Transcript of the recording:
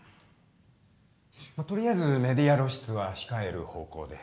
まあ、とりあえずメディア露出は控える方向で。